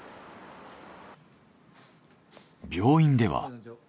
病院では。